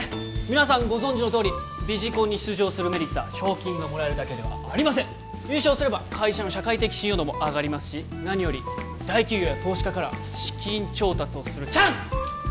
皆さんご存じのとおりビジコンに出場するメリットは賞金がもらえるだけではありません優勝すれば会社の社会的信用度も上がりますし何より大企業や投資家から資金調達をするチャンス！